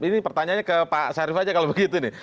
ini pertanyaannya ke pak sarif aja kalau begitu nih